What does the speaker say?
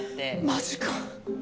マジか。